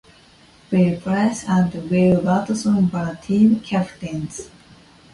Will Price and Willie Watson were team captains.